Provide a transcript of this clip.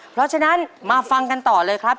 เพราะฉะนั้นมาฟังกันต่อเลยครับ